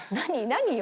何よ？